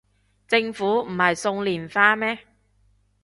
政府唔係送連花咩